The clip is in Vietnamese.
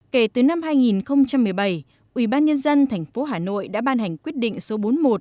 kể từ năm hai nghìn một mươi bảy ubnd tp hà nội đã ban hành quyết định số bốn mươi một